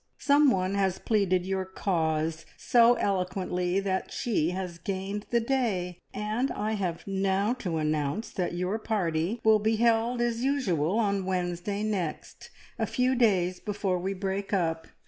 Someone has pleaded your cause so eloquently that she has gained the day, and I have now to announce that your party will be held as usual on Wednesday next, a few days before we break up.